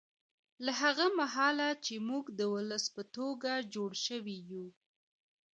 له هغه مهاله چې موږ د ولس په توګه جوړ شوي یو